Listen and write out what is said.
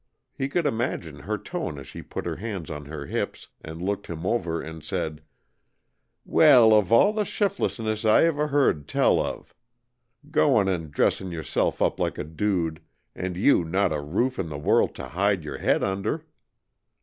He could imagine her tone as she put her hands on her hips and looked him over and said, "Well, of all the shiftlessness I ever heard tell of! Goin' and dressin' yourself up like a dude, and you not a roof in the world to hide your head under!"